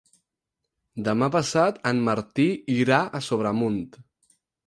Demà passat en Martí irà a Sobremunt.